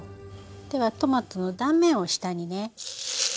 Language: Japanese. ではトマトの断面を下にねして。